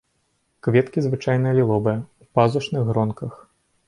Кветкі звычайна ліловыя, у пазушных гронках.